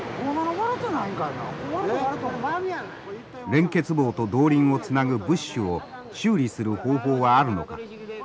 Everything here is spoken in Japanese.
連結棒と動輪をつなぐブッシュを修理する方法はあるのか。